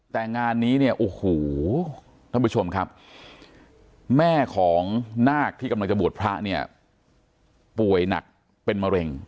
แต่งานนี้เนี่ยโอ้โหท่านผู้ชมครับแม่ของนาคที่กำลังจะบวชพระเนี่ยป่วยหนักเป็นมะเร็ง